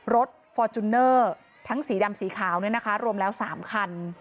ฟอร์จูเนอร์ทั้งสีดำสีขาวรวมแล้ว๓คัน